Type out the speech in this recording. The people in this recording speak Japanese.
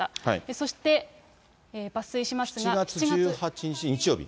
そして、７月１８日日曜日。